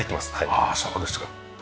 ああそうですか。